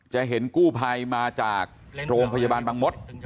จะเห็นกู้ภัยมาจากโรงพยาบาลบางมศ